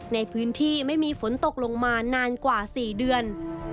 ในพื้นที่ไม่มีฝนตกลงมานานกว่า๔เดือน